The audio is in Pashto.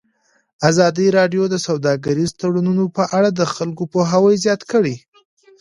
ازادي راډیو د سوداګریز تړونونه په اړه د خلکو پوهاوی زیات کړی.